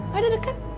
wah udah deket